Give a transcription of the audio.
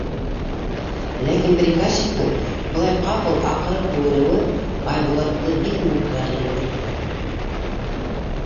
Ләкин приказчиктың былай ҡапыл аҡырып һүгенеүе Айбулатты бик ныҡ ғәрләндерҙе.